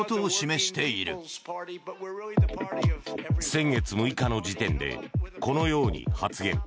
先月６日の時点でこのように発言。